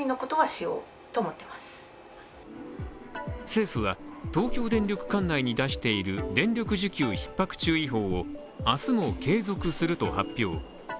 政府は、東京電力管内に出している電力需給ひっ迫注意報を明日も継続すると発表。